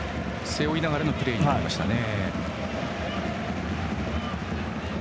背負いながらのプレーになりましたね。